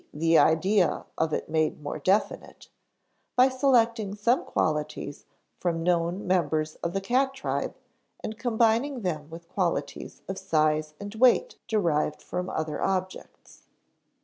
_ the idea of it made more definite) by selecting some qualities from known members of the cat tribe and combining them with qualities of size and weight derived from other objects.